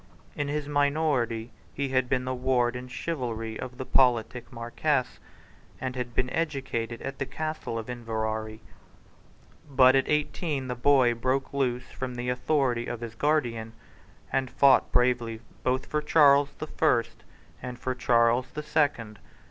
In his minority he had been the ward in chivalry of the politic Marquess, and had been educated at the Castle of Inverary. But at eighteen the boy broke loose from the authority of his guardian, and fought bravely both for Charles the First and for Charles the Second.